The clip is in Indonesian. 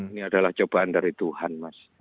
ini adalah cobaan dari tuhan mas